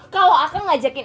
kalau akan ngajakin